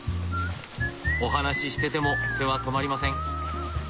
お話ししてても手は止まりません。